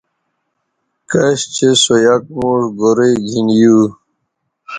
کش چہء سو یک موݜ گورئ گِھن یو